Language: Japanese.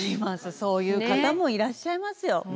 そういう方もいらっしゃいますよ。